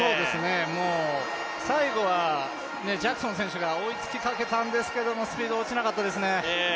もう最後はジャクソン選手が追いつきかけたんですけれども、スピード落ちなかったですね。